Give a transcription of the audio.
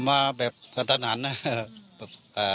ก็มาแบบพัฒนานอ่ะแบบอ่า